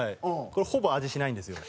これほぼ味しないんですよ。